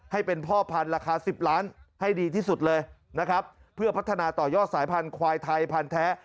ให้เป็นพ่อพันธุ์ราคา๑๐ล้านให้ดีที่สุดเลยนะครับเพื่อพัฒนาต่อยอดสายพันธุ์ควายไทยพันธุ์แท้